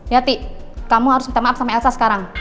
yati kamu harus minta maaf sama elsa sekarang